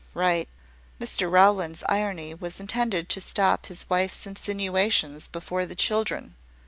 "Right. Mr Rowland's irony was intended to stop his wife's insinuations before the children.